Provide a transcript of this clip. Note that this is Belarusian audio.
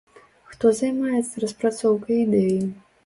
Хто займаецца распрацоўкай ідэі?